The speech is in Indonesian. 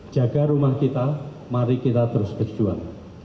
jaga rumah kita mari kita terus berjuang